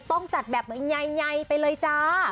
ต้องจัดแบบใยไปเลยจ้า